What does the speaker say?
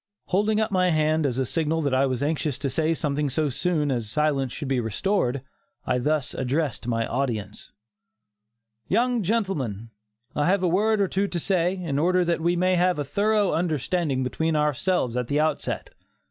Holding up my hand as a signal that I was anxious to say something so soon as silence should be restored, I thus addressed my audience: "Young gentlemen, I have a word or two to say, in order that we may have a thorough understanding between ourselves at the outset.